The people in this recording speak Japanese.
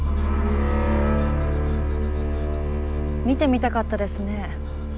見てみたかったですね。